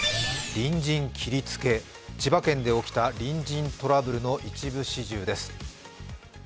隣人切りつけ、千葉県で起きた隣人トラブルの一部始終です。